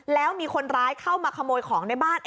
แล้วมีคนร้ายเข้ามาขโมยของในบ้าน